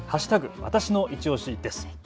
わたしのいちオシです。